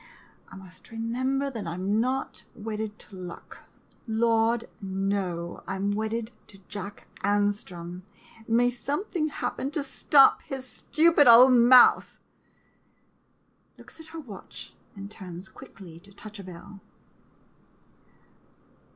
I must remember that I 'm not wedded to luck — Lord, no — I 'm wedded to Jack An strom, — may something happen to stop his stupid old mouth! [Looks at her watch, and turns quickly to touch a bell.